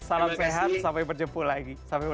salam sehat sampai bertemu lagi